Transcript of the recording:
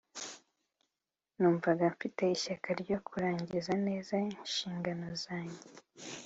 numvaga mfite ishyaka ryo kurangiza neza inshingano zange.